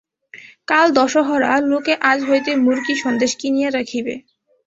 কাল দশহরা, লোকে আজ হইতেই মুড়কি সন্দেশ কিনিয়া রাখিবে।